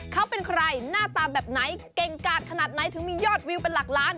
เขาเป็นใครหน้าตาแบบไหนเก่งกาดขนาดไหนถึงมียอดวิวเป็นหลักล้าน